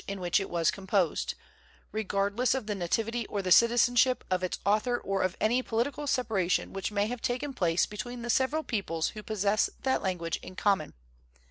in which it was composed, regardless of the na tivity or the citizenship of its author or of any political separation which may have taken place between the several peoples who possess that language in common.